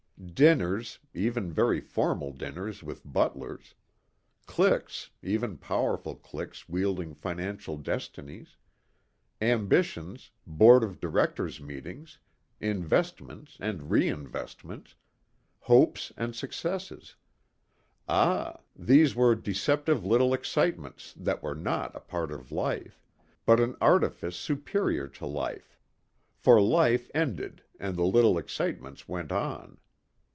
Dinners, even very formal dinners with butlers; cliques, even powerful cliques wielding financial destinies; ambitions, board of directors' meetings, investments and reinvestments, hopes and successes ah, these were deceptive little excitements that were not a part of life but an artifice superior to life. For life ended and the little excitements went on.